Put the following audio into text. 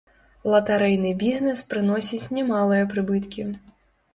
Латарэйны бізнес прыносіць немалыя прыбыткі.